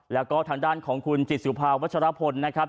แล้วก็ทางด้านของคุณจิตสุภาวัชรพลนะครับ